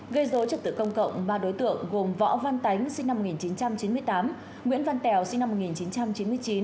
gây dối trật tự công cộng ba đối tượng gồm võ văn tán sinh năm một nghìn chín trăm chín mươi tám nguyễn văn tèo sinh năm một nghìn chín trăm chín mươi chín